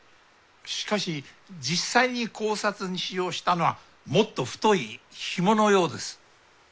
しかし実際に絞殺に使用したのはもっと太い紐のようです。